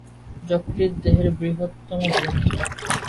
যকৃৎ দেহের বৃহত্তম গ্রন্থি।